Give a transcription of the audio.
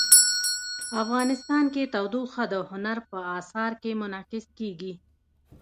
افغانستان کې تودوخه د هنر په اثار کې منعکس کېږي.